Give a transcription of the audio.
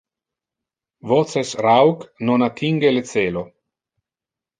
voces rauc non attinge le celo